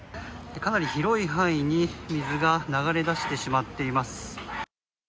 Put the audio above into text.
かなり広い範囲に水が流れ出してしまっています。